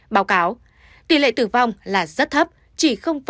báo cáo tỷ lệ tử vong là rất thấp chỉ bốn